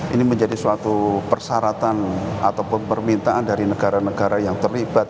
ini menjadi suatu persyaratan ataupun permintaan dari negara negara yang terlibat